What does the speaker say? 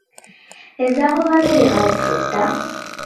Ez dago batere gaizki, ezta?